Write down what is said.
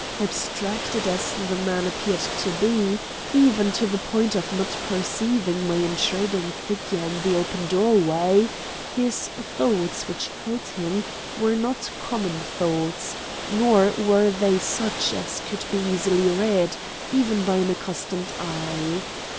Abstracted as the man appeared to be, even to the point of not perceiving my intruding figure in the open doorway, the thoughts which held him were not common thoughts, nor were they such as could be easily read, even by an accustomed eye.